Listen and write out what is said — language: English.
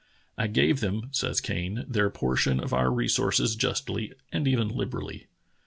"I gave them [says Kane] their portion of our resources justlj', and even liberally.